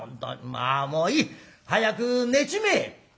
まあもういい。早く寝ちめえ！」。